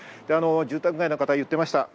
住宅街の方が言ってました。